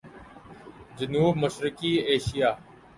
جنوب مشرقی ایشیا